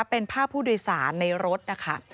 เป็นภาพผู้โดยสารในรถนะคะ